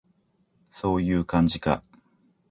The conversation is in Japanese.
そういう感じか